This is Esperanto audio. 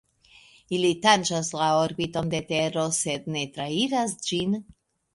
Ili tanĝas la orbiton de Tero sed ne trairas ĝin.